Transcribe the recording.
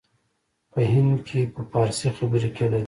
په هند کې په فارسي خبري کېدلې.